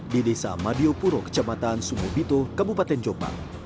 di desa madiopuro kecamatan sumubito kabupaten jombang